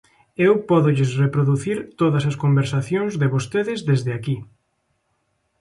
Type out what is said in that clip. Eu pódolles reproducir todas as conversacións de vostedes desde aquí.